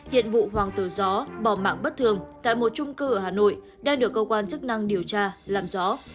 hiện vụ hoàng tử gió bỏ mạng bất thường tại một trung cư ở hà nội đang được cơ quan chức năng điều tra làm rõ